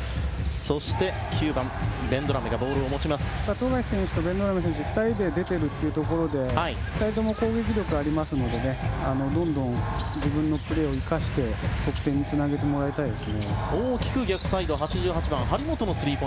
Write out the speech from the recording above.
富樫選手とベンドラメ選手の２人で出ているというところで２人とも攻撃力がありますのでどんどん自分のプレーを生かして得点につなげてもらいたいです。